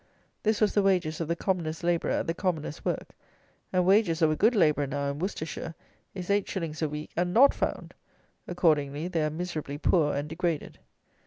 This was the wages of the commonest labourer at the commonest work. And the wages of a good labourer now, in Worcestershire, is eight shillings a week, and not found. Accordingly, they are miserably poor and degraded.